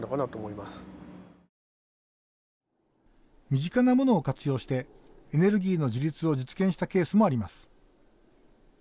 身近なものを活用してエネルギーの自立を実現したケースもあります。